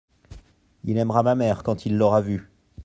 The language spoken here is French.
Il aimera ma mère quand il l’aura vue.